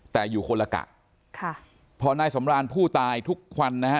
แต่อยู่คนละกะค่ะพอนายสำรานผู้ตายทุกวันนะฮะ